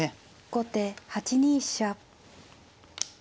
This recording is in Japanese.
後手８二飛車。